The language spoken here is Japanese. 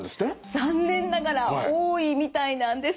残念ながら多いみたいなんです。